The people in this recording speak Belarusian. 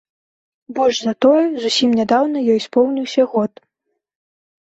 Больш за тое, зусім нядаўна ёй споўніўся год.